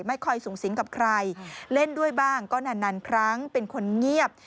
ไม่ค่อยสูงสิงกับใครเล่นด้วยบ้างก็นานครั้งเป็นคนเงียบ